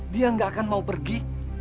dia gak akan mau pergi